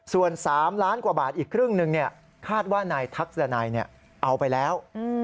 ส่วน๓ล้านกว่าบาทอีกครึ่งหนึ่งคาดว่านายทักษณัยเอาไปแล้ว